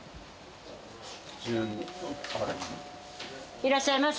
いらっしゃいませ！